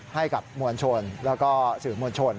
ให้กับมวลชนแล้วก็สื่อมวลชน